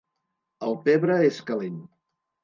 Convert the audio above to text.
El pebre és calent.